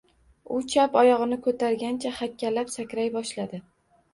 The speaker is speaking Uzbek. U chap oyog‘ini ko‘targancha hakkalab sakray boshladi.